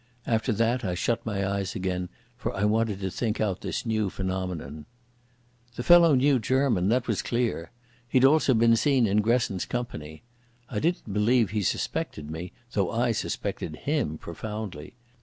After that I shut my eyes again, for I wanted to think out this new phenomenon. The fellow knew German—that was clear. He had also been seen in Gresson's company. I didn't believe he suspected me, though I suspected him profoundly.